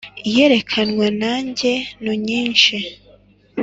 iyerekanwe na njye nunyinshi